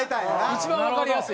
一番わかりやすい。